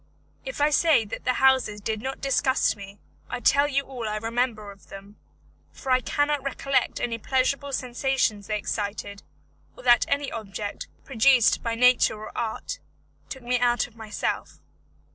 If I say that the houses did not disgust me, I tell you all I remember of them, for I cannot recollect any pleasurable sensations they excited, or that any object, produced by nature or art, took me out of myself.